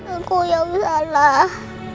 aku yang salah